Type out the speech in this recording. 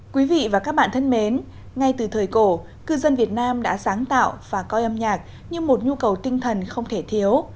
quý vị và các bạn thân mến ngay từ thời cổ cư dân việt nam đã sáng tạo và coi âm nhạc như một nhu cầu tinh thần không thể thiếu